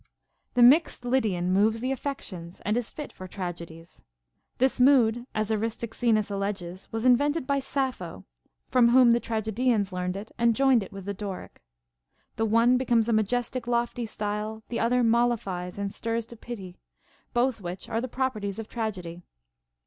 16. The mixed Lydian moves the affections, and is fit for tragedies. This mood, as Aristoxenus alleges, was invented by Sappho, from whom the tragedians learned it and joined it with the Doric. The one becomes a majestic, lofty style, the other mollifies and stirs to pity ; both which are the properties of tragedy.